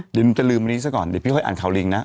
เดี๋ยวจะลืมอันนี้ซะก่อนเดี๋ยวพี่ค่อยอ่านข่าวลิงนะ